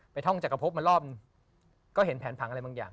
ท่องจักรพบมารอบนึงก็เห็นแผนผังอะไรบางอย่าง